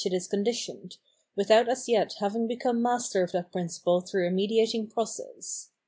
it is conditioned, witbont as yet having become master of that principle through a mediating process.